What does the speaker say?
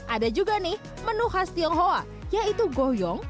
ada juga nih menu khas tionghoa yaitu goyong